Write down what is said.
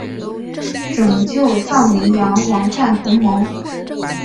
拯救藏羚羊网站同盟